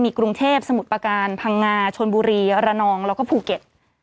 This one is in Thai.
กรุงเทพสมุทรประการพังงาชนบุรีระนองแล้วก็ภูเก็ต